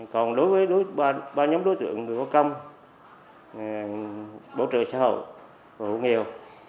còn đối với ba nhóm đối tượng người có công bảo trợ xã hội phụ nghèo